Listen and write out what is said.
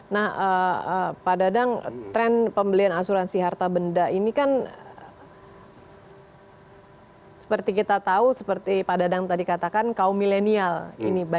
nah pak dadang tren pembelian asuransi harta benda ini kan seperti kita tahu seperti pak dadang tadi katakan kaum milenial ini